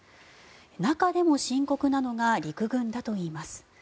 中でも深刻なのが陸軍だといいます。